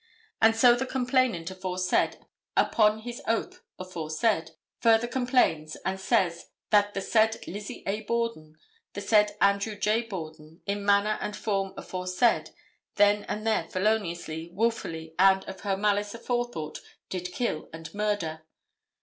And so the complainant aforesaid, upon his oath aforesaid, further complains and says that the said Lizzie A. Borden, the said Andrew J. Borden, in manner and form aforesaid, then and there feloniously, wilfully and of her malice aforethought did kill and murder.